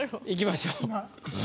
いきましょう。